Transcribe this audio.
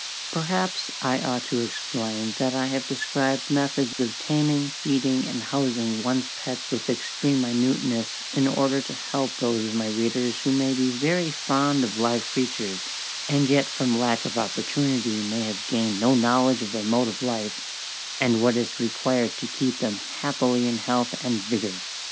Perhaps I ought to explain that I have described methods of taming, feeding, and housing one's pets with extreme minuteness in order to help those of my readers who may be very fond of live creatures, and yet from lack of opportunity may have gained no knowledge of their mode of life, and what is required to keep them happily in health and vigour.